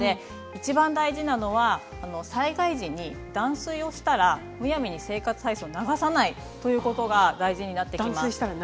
いちばん大事なのは災害時に断水をしたらむやみに生活排水を流さないということが大事です。